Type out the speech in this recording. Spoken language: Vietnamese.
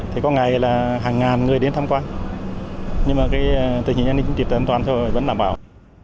thì có ngày là hàng ngàn người đến tham quan nhưng mà cái tình hình an ninh trật điện gió an toàn thôi vẫn đảm bảo